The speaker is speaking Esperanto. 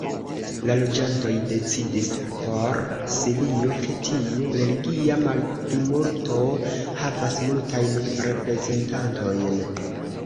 La loĝantoj decidis por Sirio, kie tiu religia malplimulto havas multajn reprezentantojn.